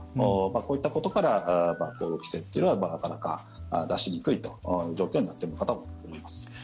こういったことから行動規制というのはなかなか出しにくいという状況になっているかと思います。